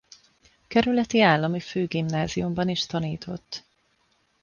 Kerületi Állami Főgimnáziumban is tanított.